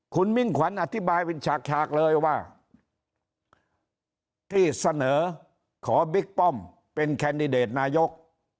คุณมิ่งขวัญอธิบายเป็นฉากเลยว่าที่เสนอขอบิ๊กป้อมเป็นแคนดิเดตนายก